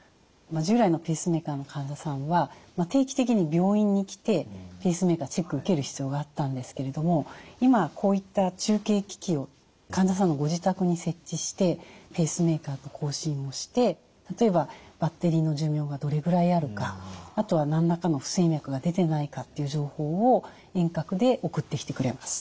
従来のペースメーカーの患者さんは定期的に病院に来てペースメーカーのチェック受ける必要があったんですけれども今こういった中継機器を患者さんのご自宅に設置してペースメーカーと交信をして例えばバッテリーの寿命がどれぐらいあるかあとは何らかの不整脈が出てないかっていう情報を遠隔で送ってきてくれます。